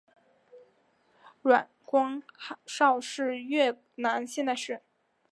阮光韶是越南现代诗人。